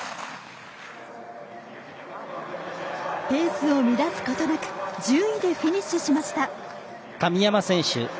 ペースを乱すことなく１０位でフィニッシュしました。